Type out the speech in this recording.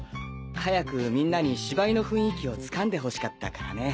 早くみんなに芝居の雰囲気をつかんでほしかったからね。